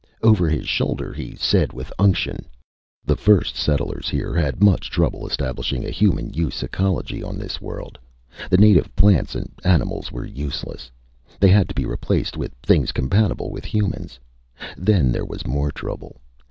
Over his shoulder he said with unction: "The first settlers here had much trouble establishing a human use ecology on this world. The native plants and animals were useless. They had to be replaced with things compatible with humans. Then there was more trouble.